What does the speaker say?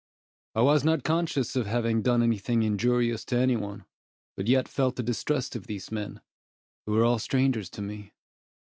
I was not conscious of having done any thing injurious to any one; but yet felt a distrust of these men, who were all strangers to me.